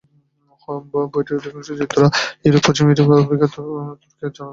বইটির অধিকাংশ চিত্র ছিলো পশ্চিম ইউরোপে সর্বপ্রথম তুর্কি জনগণের পোশাক এবং অস্ত্রের সঠিকভাবে বর্ণিত উপস্থাপনা।